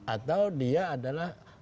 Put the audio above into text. atau dia adalah